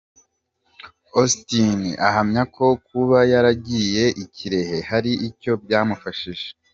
Augustin ahamya ko kuba yaragiye i Kirehe hari icyo byamufashije.